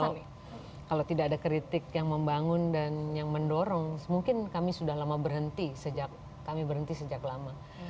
kalau tidak ada kritik yang membangun dan yang mendorong mungkin kami sudah lama berhenti sejak kami berhenti sejak lama